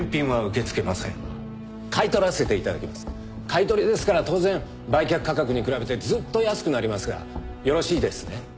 買い取りですから当然売却価格に比べてずっと安くなりますがよろしいですね？